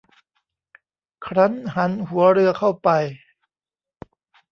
ครั้นหันหัวเรือเข้าไป